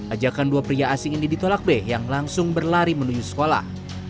ajakan dua pria asing ini ditolak b yang langsung berlari menuju sekolah